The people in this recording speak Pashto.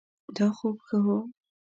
دا خوب ښه ؤ